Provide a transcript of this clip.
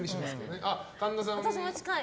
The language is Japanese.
私も近い。